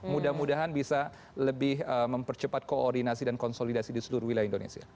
mudah mudahan bisa lebih mempercepat koordinasi dan konsolidasi di seluruh wilayah indonesia